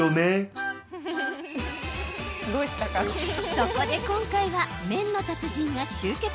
そこで今回は麺の達人が集結。